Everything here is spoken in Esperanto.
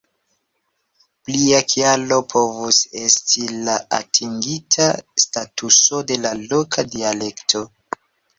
Plia kialo povus esti la atingita statuso de la loka dialekto.